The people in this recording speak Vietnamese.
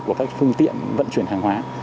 của các phương tiện vận chuyển hàng hóa